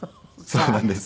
そうなんです。